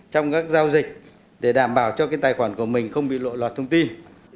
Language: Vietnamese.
trong các giao dịch để đảm bảo cho cái tài khoản của mình không bị lộ lọt thông tin